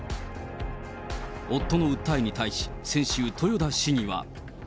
夫の訴えに対し、先週、豊田市議は。